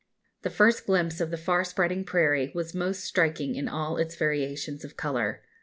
The first glimpse of the far spreading prairie was most striking in all its variations of colour.